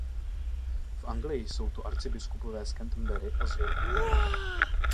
V Anglii jsou to arcibiskupové z Canterbury a z Yorku.